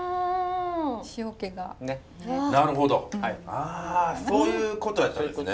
あそういうことやったんですね。